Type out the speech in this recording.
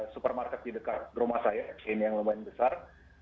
supermarket di dekat rumah saya exchange yang lumayan besar